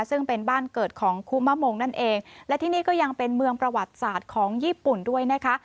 ซึ่งเป็นบ้านเกิดของคุมะมงนั่นเองและที่นี่ก็ยังเป็นเมืองประวัติศาสตร์ของญี่ปุ่นด้วยนะคะ